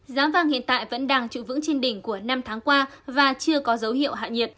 giá vàng hiện tại vẫn đang trụ vững trên đỉnh của năm tháng qua và chưa có dấu hiệu hạ nhiệt